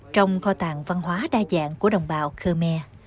trong kho tạng văn hóa đa dạng của đồng bào khmer